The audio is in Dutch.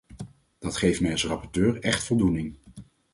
Dat geeft mij als rapporteur echt voldoening.